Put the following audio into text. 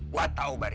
gua tau bari